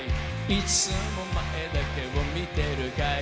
いつも前だけを見ているかい？